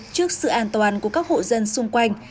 trước sự an toàn của các hộ dân xung quanh